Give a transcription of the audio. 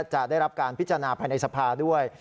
จะได้รับการพิจารณาภายในสภาด้วย